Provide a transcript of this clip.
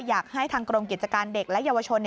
อยากให้ทางกรมกิจการเด็กและเยาวชน